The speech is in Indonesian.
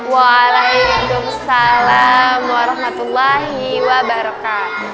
waalaikumsalam warahmatullahi wabarakatuh